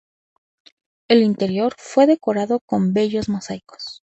El interior fue decorado con bellos mosaicos.